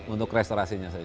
untuk restorasinya saja